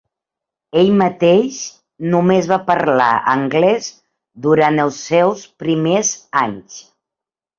Ell mateix només va parlar anglès durant els seus primers anys.